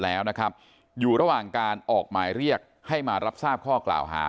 แล้วนะครับอยู่ระหว่างการออกหมายเรียกให้มารับทราบข้อกล่าวหา